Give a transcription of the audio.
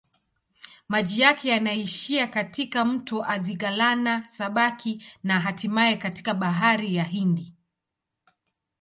Maji yake yanaishia katika mto Athi-Galana-Sabaki na hatimaye katika Bahari ya Hindi.